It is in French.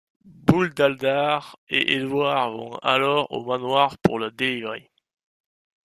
Bouldaldar et Édouard vont alors au manoir pour le délivrer.